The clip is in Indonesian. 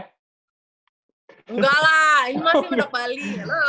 nggak lah ini masih menok bali